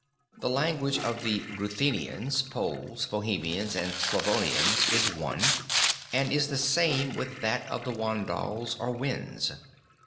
The language of the Ruthenians, Poles, Bohemians, and Slavonians is one, and is the same with that of the Wandals or Wends.